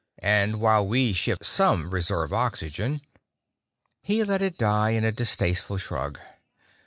And while we ship some reserve oxygen...." He let it die in a distasteful shrug.